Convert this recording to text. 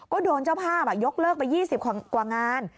ก็โดนเจ้าภาพยกเลิกไป๒๐กว่างาน